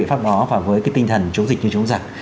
biện pháp đó và với cái tinh thần chống dịch như chống giặc